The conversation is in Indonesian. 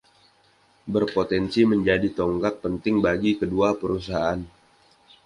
Berpotensi menjadi tonggak penting bagi kedua perusahaan.